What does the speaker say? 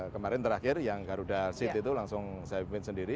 kemarin terakhir yang garuda seat itu langsung saya pimpin sendiri